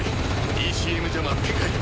ＥＣＭジャマー展開。